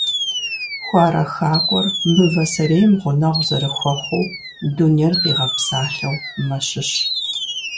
Хуарэ хакӀуэр мывэ сэрейм гъунэгъу зэрыхуэхъуу дунейр къигъэпсалъэу мэщыщ.